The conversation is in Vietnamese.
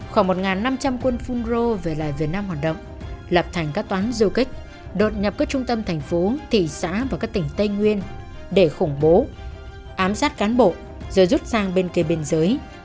khoảng một năm trăm linh quân phun rô về lại việt nam hoạt động lập thành các toán du kích đột nhập các trung tâm thành phố thị xã và các tỉnh tây nguyên để khủng bố ám sát cán bộ rồi rút sang bên kia biên giới